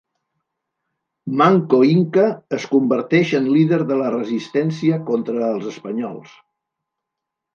Manco Inca es converteix en líder de la resistència contra els espanyols.